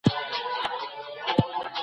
کاینات د خدای د قدرت نښه دي.